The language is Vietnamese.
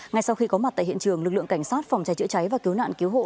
ngay sau khi có mặt tại hiện trường lực lượng cảnh sát phòng cháy chữa cháy và cứu nạn cứu hộ